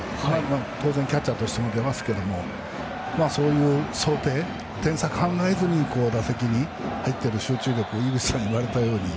当然、キャッチャーとしても出ますけどそういう想定、点差を考えずに打席に入っている集中力井口さんが言われたように。